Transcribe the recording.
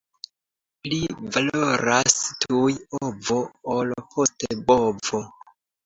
Pli valoras tuj ovo, ol poste bovo.